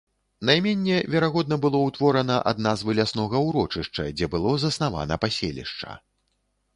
Найменне, верагодна, было ўтворана ад назвы ляснога ўрочышча, дзе было заснавана паселішча.